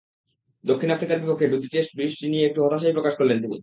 দক্ষিণ আফ্রিকার বিপক্ষে দুটি টেস্টে বৃষ্টি নিয়ে একটু হতাশাই প্রকাশ করলেন তিনি।